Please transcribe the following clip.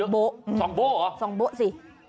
๒โบเหรอ๒โบสิ